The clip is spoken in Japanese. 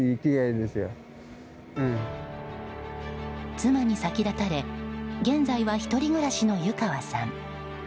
妻に先立たれ現在は１人暮らしの湯川さん。